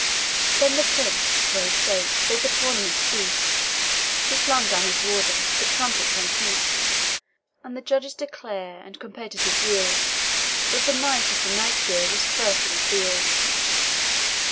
Then the Prince, for his sake, bade the tournament cease He flung down his warder, the trumpets sung peace; And the judges declare, and competitors yield, That the Knight of the Night gear was first in the field.